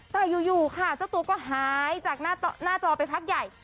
แต่อยู่ค่ะเจ้าตัวก็หายจากหน้าจอไปพักใหญ่